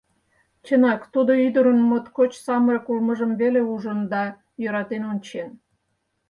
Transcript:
Чынак, тудо ӱдырын моткоч самырык улмыжым веле ужын да йӧратен ончен.